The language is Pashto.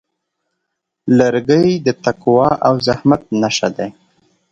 لرګی د تقوا او زحمت نښه ده.